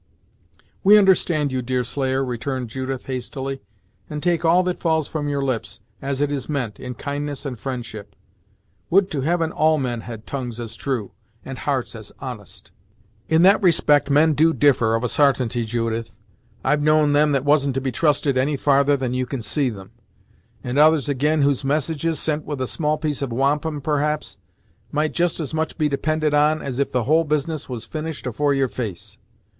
"We understand you, Deerslayer," returned Judith, hastily, "and take all that falls from your lips, as it is meant, in kindness and friendship. Would to Heaven all men had tongues as true, and hearts as honest!" "In that respect men do differ, of a sartainty, Judith. I've known them that wasn't to be trusted any farther than you can see them; and others ag'in whose messages, sent with a small piece of wampum, perhaps, might just as much be depended on, as if the whole business was finished afore your face.